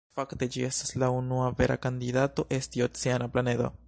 Fakte ĝi estas la unua vera kandidato esti oceana planedo.